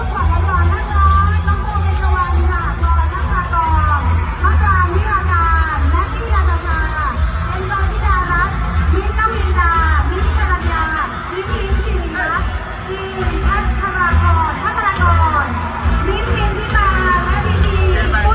ท่านมาละก่อนท่านมาละก่อนบิ๊บบิ๊บพี่ตาและบิ๊บบิ๊บคุณพี่บิและขอเสียงให้ท่านน้องเจมส์มาแล้วก็เจริญมอร์